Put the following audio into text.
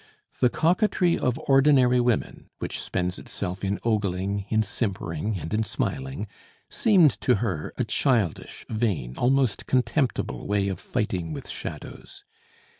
The coquetry of ordinary women, which spends itself in ogling, in simpering, and in smiling, seemed to her a childish, vain, almost contemptible way of fighting with shadows.